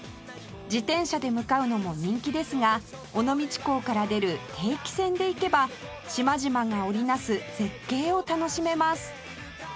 自転車で向かうのも人気ですが尾道港から出る定期船で行けば島々が織り成す絶景を楽しめます